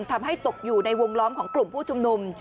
ตกอยู่ในวงล้อมของกลุ่มผู้ชุมนุม